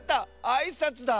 あいさつだ。